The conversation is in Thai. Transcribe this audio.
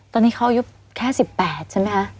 ตอนนี้เขาอายุแค่๑๘ใช่ไหมคะ